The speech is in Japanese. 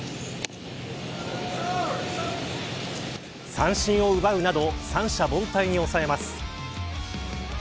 三振を奪うなど三者凡退に抑えます。